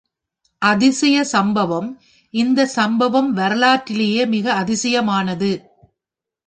அதிசயச் சம்பவம் இந்த சம்பவம் வரலாற்றிலேயே மிக அதிசயமானது.